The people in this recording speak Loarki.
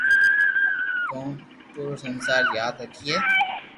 ڪو پورو سنسار ياد رکئي